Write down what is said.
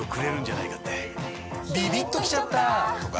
ビビッときちゃった！とか